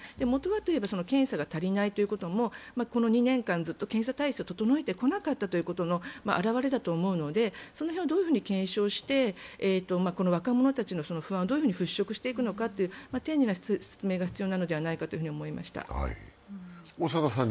もとはといえば検査が足りないということも、この２年間ずっと検査体制を整えてこなかったということの表れだと思うので、その辺をどう検証して若者たちの不安をどういうふうに払拭していくのか丁寧な説明が必要じゃないかと思いました。